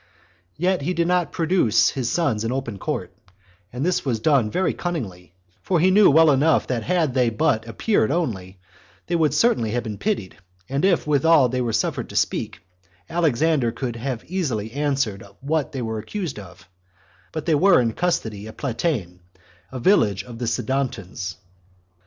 Yet did not he produce his sons in open court; and this was done very cunningly, for he knew well enough that had they but appeared only, they would certainly have been pitied; and if withal they had been suffered to speak, Alexander would easily have answered what they were accused of; but they were in custody at Platane, a village of the Sidontans.